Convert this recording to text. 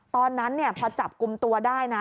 ตอนนั้นพอจับกลุ่มตัวได้นะ